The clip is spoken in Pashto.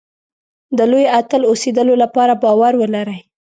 د لوی اتل اوسېدلو لپاره باور ولرئ.